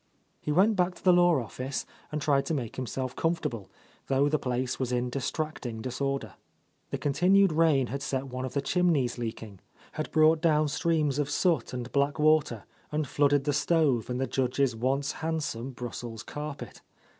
He went back to the law office and tried to make himself comfortable, though the place was in dis tracting disorder. The continued rain had set one of the chimneys leaking, had brought down streams of soot and black water and flooded the stove and the Judge's once handsome Brussels carpet.